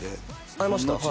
会いました